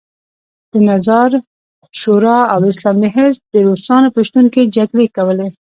د نظار شورا او اسلامي حزب د روسانو په شتون کې جګړې کولې.